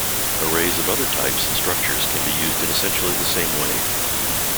Arrays of other types and structures can be used in essentially the same way.